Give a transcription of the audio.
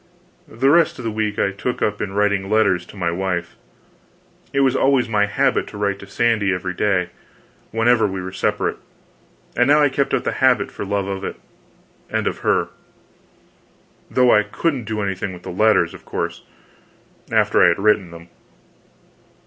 The rest of the week I took up in writing letters to my wife. It was always my habit to write to Sandy every day, whenever we were separate, and now I kept up the habit for love of it, and of her, though I couldn't do anything with the letters, of course, after I had written them.